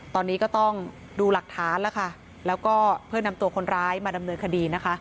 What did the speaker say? ตอนนี้ก็ต้องดูหลักฐานแล้วค่ะแล้วก็เพื่อนำตัวคนร้ายมาดำเนินคดีนะคะ